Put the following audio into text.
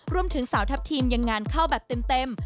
รวมถึงสาวทัพทีมยังงานเข้าแบบเต็ม